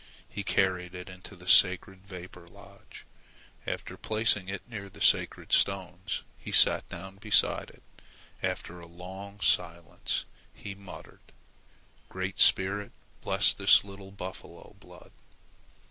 He carried it into the sacred vapor lodge. After placing it near the sacred stones, he sat down beside it. After a long silence, he muttered: "Great Spirit, bless this little buffalo blood."